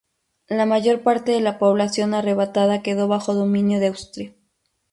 La mayor parte de la población arrebatada quedó bajo dominio de Austria.